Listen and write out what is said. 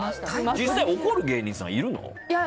実際に怒る芸人さんいるの？